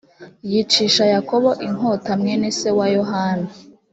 yicisha yakobo inkota mwene se wa yohana